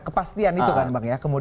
kepastian itu kan bang ya